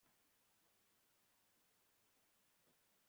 uburyo rwanda fda ikora imihigo